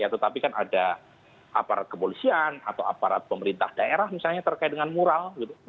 tetapi kan ada aparat kepolisian atau aparat pemerintah daerah misalnya terkait dengan mural